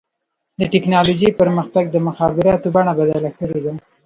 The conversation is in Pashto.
د ټکنالوجۍ پرمختګ د مخابراتو بڼه بدله کړې ده.